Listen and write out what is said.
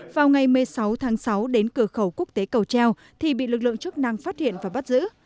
vào ngày một mươi sáu tháng sáu đến cửa khẩu quốc tế cầu treo thì bị lực lượng chức năng phát hiện và bắt giữ